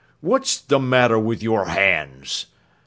What's the matter with your hands?"